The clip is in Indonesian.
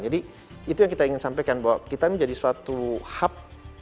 jadi itu yang ingin kita sampaikan bahwa kita menjadi suatu hub